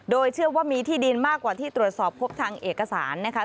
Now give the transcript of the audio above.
โดยเชื่อว่ามีที่ดินมากกว่าที่ตรวจสอบพบทางเอกสารนะคะ